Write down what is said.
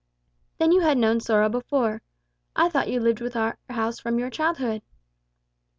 '" "Then you had known sorrow before. I thought you lived with our house from your childhood."